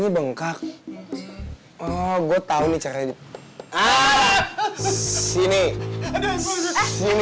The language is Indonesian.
bengkak oh gue tahu nih cara ini sini